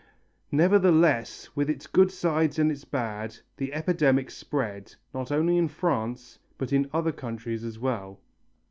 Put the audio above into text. Nevertheless, with its good sides and its bad, the epidemic spread, and not only in France, but in other countries as well.